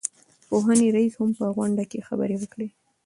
د پوهنې رئيس هم په غونډه کې خبرې وکړې.